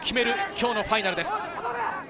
今日のファイナルです。